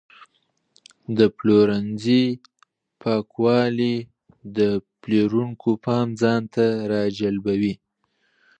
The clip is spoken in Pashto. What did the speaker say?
د پلورنځي پاکوالی د پیرودونکو پام ځان ته راجلبوي.